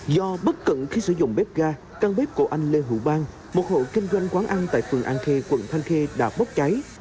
do bất cẩn khi sử dụng bếp ga căn bếp của anh lê hữu bang một hộ kinh doanh quán ăn tại phường an khê quận thanh khê đã bốc cháy